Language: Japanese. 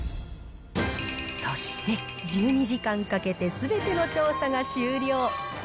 そして、１２時間かけてすべての調査が終了。